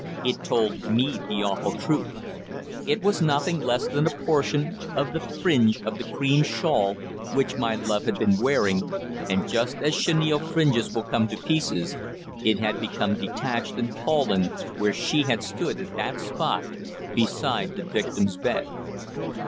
It told me the awful truth. It was nothing less than a portion of the fringe of the cream shawl which my love had been wearing, and just as chenille fringes will come to pieces, it had become detached and fallen where she had stood at that spot beside the victim's bed.